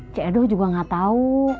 cik edo juga gak tau